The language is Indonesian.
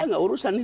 itu tidak urusan